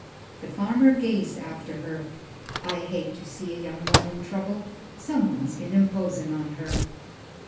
The farmer gazed after her. "I hate to see a young one in trouble. Someone's been imposin' on her."